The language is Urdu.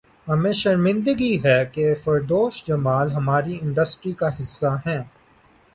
ہمیں شرمندگی ہے کہ فردوس جمال ہماری انڈسٹری کا حصہ ہیں